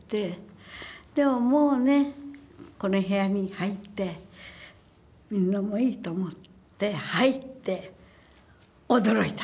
でももうねこの部屋に入ってみるのもいいと思って入って驚いた。